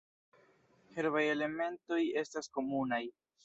Herbaj elementoj estas komunaj.